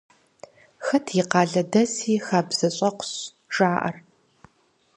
«Хэт и къалэдэси хабзэщӏэкъущ» жаӏэр.